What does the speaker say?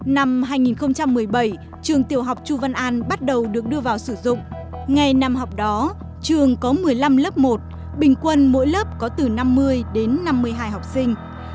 năm hai nghìn một mươi bảy trường tiểu học chu văn an bắt đầu được đưa vào sử dụng ngày năm học đó trường có một mươi năm lớp một bình quân mỗi lớp có từ năm mươi đến năm mươi hai học sinh